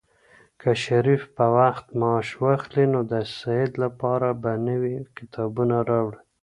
که شریف په وخت معاش واخلي، نو د سعید لپاره به نوي کتابونه راوړي.